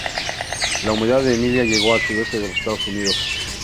La humedad de Emilia llegó al sudoeste de los Estados Unidos.